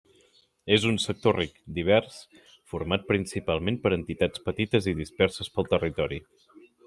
És un sector ric, divers, format principalment per entitats petites i disperses pel territori.